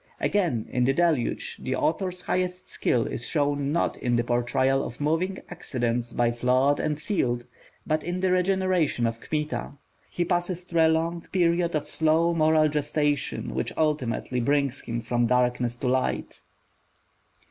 Again, in The Deluge, the author's highest skill is shown not in the portrayal of moving accidents by flood and field, but in the regeneration of Kmita. He passes through a long period of slow moral gestation, which ultimately brings him from darkness to light.